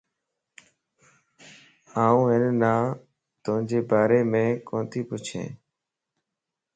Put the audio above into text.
آن ھن نان توجي ڀاريم ڪوتي پڇين